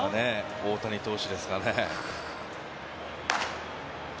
大谷投手ですかね。